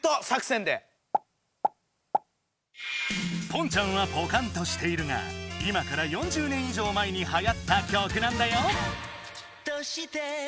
ポンちゃんはポカンとしているが今から４０年以上前にはやった曲なんだよ。